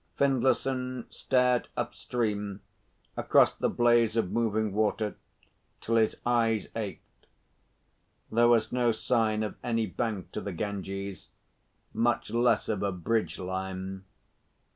Findlayson stared upstream, across the blaze of moving water, till his eyes ached. There was no sign of any bank to the Ganges, much less of a bridge line.